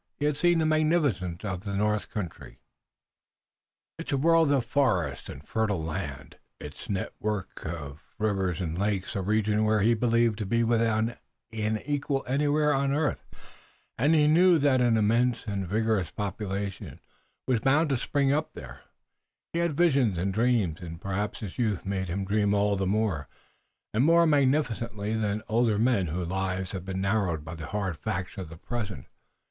He had seen the magnificence of the north country, its world of forest and fertile land, its network of rivers and lakes, a region which he believed to be without an equal anywhere on earth, and he knew that an immense and vigorous population was bound to spring up there. He had his visions and dreams, and perhaps his youth made him dream all the more, and more magnificently than older men whose lives had been narrowed by the hard facts of the present.